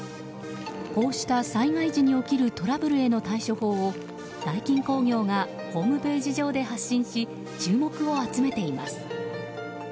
こうした災害時に起きるトラブルへの対処法をダイキン工業がホームページ上で発信し注目を集めています。